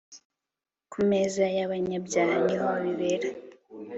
kumeza yabanyabyaha ni ho bibera